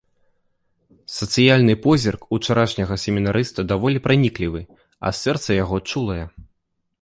Сацыяльны позірк учарашняга семінарыста даволі праніклівы, а сэрца яго чулае.